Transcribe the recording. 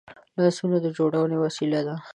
لاسونه د جوړونې وسیله ده